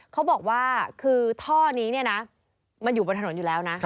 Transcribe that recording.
เขาบอกว่าคือท่อนี้เนี่ยนะมันอยู่บนถนนอยู่แล้วนะ